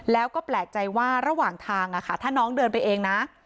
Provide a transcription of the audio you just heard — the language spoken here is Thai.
แล้วก็แปลกใจว่าระหว่างทางถ้าน้องเดินไปเองนะ